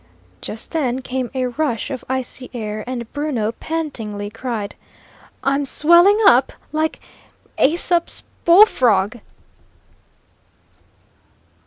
Just then came a rush of icy air, and Bruno pantingly cried: "I'm swelling up like Aesop's bullfrog!"